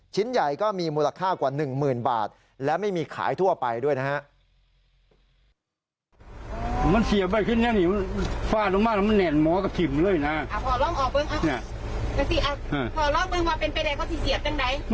ชิ้นใหญ่ก็มีมูลค่ากว่าหนึ่งหมื่นบาทและไม่มีขายทั่วไปด้วยนะฮะ